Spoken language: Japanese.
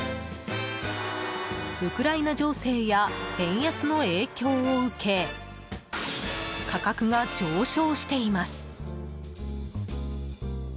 ウクライナ情勢や円安の影響を受け価格が上昇しています。